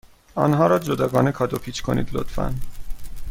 آنها را جداگانه کادو پیچ کنید، لطفا.